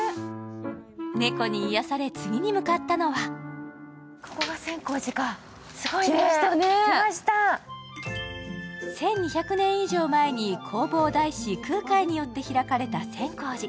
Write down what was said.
猫に癒やされ、次に向かったのは１２００年以上前に弘法大師空海によって開かれた千光寺。